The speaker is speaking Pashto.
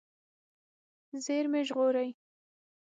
زیرمې ژغورئ.